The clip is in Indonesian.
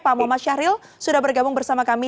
pak muhammad syahril sudah bergabung bersama kami